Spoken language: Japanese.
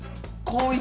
こう！